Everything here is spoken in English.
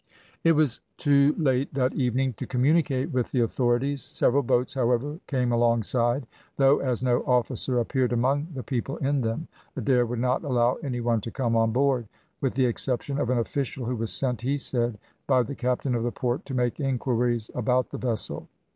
It was too late that evening to communicate with the authorities; several boats, however, came alongside, though as no officer appeared among the people in them, Adair would not allow any one to come on board, with the exception of an official who was sent, he said, by the captain of the port to make inquiries about the vessel.